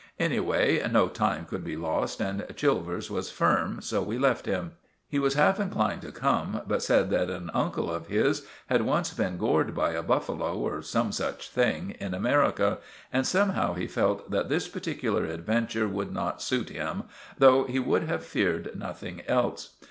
Anyway, no time could be lost, and Chilvers was firm, so we left him. He was half inclined to come, but said that an uncle of his had once been gored by a buffalo, or some such thing, in America, and somehow he felt that this particular adventure would not suit him, though he would have feared nothing else.